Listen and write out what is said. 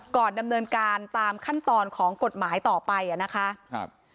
ดำเนินการตามขั้นตอนของกฎหมายต่อไปอ่ะนะคะครับ